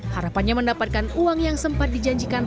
harapannya mendapatkan uang yang sempat dijanjikan